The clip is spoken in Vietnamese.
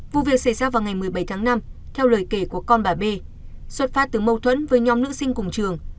vụ việc xảy ra vào ngày một mươi bảy tháng năm theo lời kể của con bà bê xuất phát từ mâu thuẫn với nhóm nữ sinh cùng trường